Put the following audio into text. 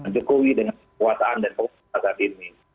jokowi dengan kekuasaan dan kekuasaan ini